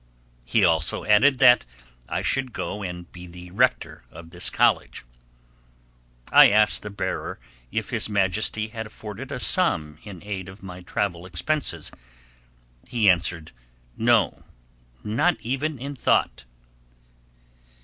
He also added that I should go and be the rector of this college. I asked the bearer if His Majesty had afforded a sum in aid of my travel expenses. He answered, "No, not even in thought."